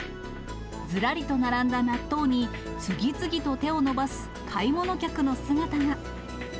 ずらりと並んだ納豆に、次々と手を伸ばす買い物客の姿が。